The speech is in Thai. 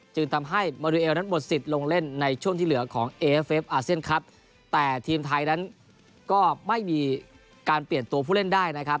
จึงทำให้มาริเอลนั้นหมดสิทธิ์ลงเล่นในช่วงที่เหลือของเอฟเฟฟอาเซียนครับแต่ทีมไทยนั้นก็ไม่มีการเปลี่ยนตัวผู้เล่นได้นะครับ